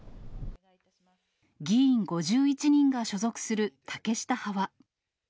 議員５１人が所属する竹下派は。